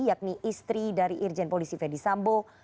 yakni istri dari irjen polisi fedy sambo